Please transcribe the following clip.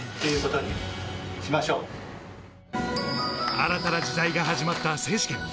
新たな時代が始まった選手権。